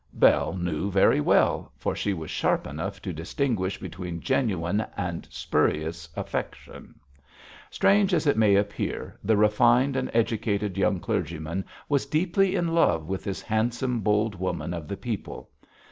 Bell knew very well, for she was sharp enough to distinguish between genuine and spurious affection. Strange as it may appear, the refined and educated young clergyman was deeply in love with this handsome, bold woman of the people.